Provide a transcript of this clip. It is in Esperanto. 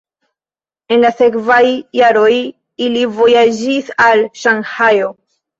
En la sekvaj jaroj ili vojaĝis al Ŝanhajo.